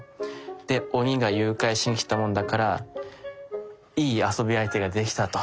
で鬼が誘拐しにきたものだからいい遊び相手ができたと。